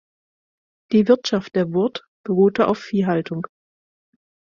Die Wirtschaft der Wurt beruhte auf Viehhaltung.